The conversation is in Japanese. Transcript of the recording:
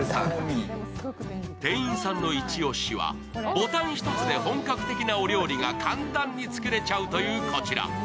店員さんのイチオシはボタン１つで本格的なお料理が簡単に作れちゃうというこちら。